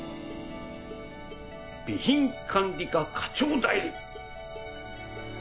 備品管理課課長代理。